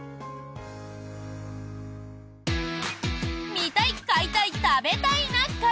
「見たい買いたい食べたいな会」。